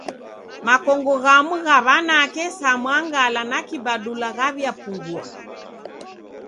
Makongo ghamu gha w'anake sa mwangala na kibadula ghaw'iapungua.